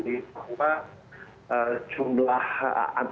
bahwa jumlah sistem antarabangsa itu harus diberikan